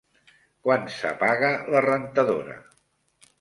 Quan s'apaga la rentadora?